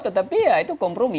tetapi ya itu kompromi